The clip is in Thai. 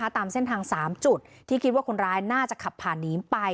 ตามเส้นทาง๓จุดที่คิดว่าคนร้ายน่าจะขับผ่านหนีไป